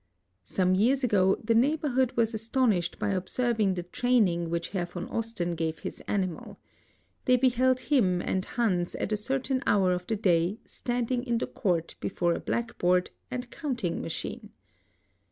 Some years ago the neighborhood was as tonished by oijserving the training which Herr von Osten gave his animal. They Be held him and Hans at a certain hour of the day standing in the court before a blacicboard and counting machine.